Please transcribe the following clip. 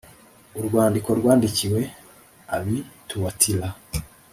Urwandiko rwandikiwe ab i Tuwatira